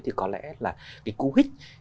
thì có lẽ là cái cú hít